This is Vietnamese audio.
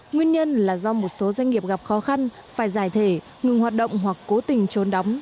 nguyên nhân là do một số doanh nghiệp gặp khó khăn phải giải thể ngừng hoạt động hoặc cố tình trốn đóng